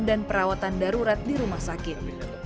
dan perawatan darurat di rumah sakit